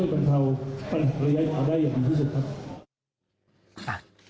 บรรเทาปัญหาระยะยาวได้อย่างดีที่สุดครับ